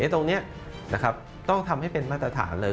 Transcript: ตรงนี้ต้องทำให้เป็นมาตรฐานเลย